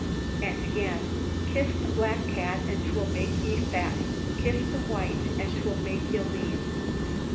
"And again: Kiss the black cat, An' 'twill make ye fat; Kiss the white ane, 'Twill make ye lean.